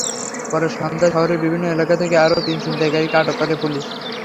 পরে সন্ধ্যায় শহরের বিভিন্ন এলাকা থেকে আরও তিন ছিনতাইকারীকে আটক করে পুলিশ।